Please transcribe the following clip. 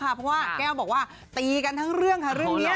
เพราะว่าแก้วบอกว่าตีกันทั้งเรื่องค่ะเรื่องนี้